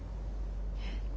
えっ？